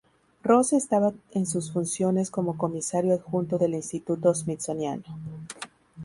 Rose estaba en sus funciones como comisario adjunto del Instituto Smithsoniano.